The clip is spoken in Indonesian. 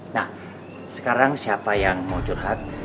nah sekarang siapa yang mau curhat